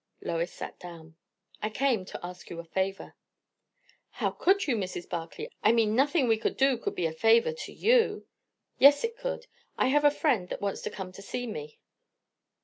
Lois sat down. "I came to ask a favour." "How could you, Mrs. Barclay? I mean, nothing we could do could be a favour to you!" "Yes, it could. I have a friend that wants to come to see me."